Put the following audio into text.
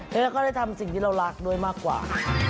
แล้วเราก็ได้ทำสิ่งที่เรารักด้วยมากกว่า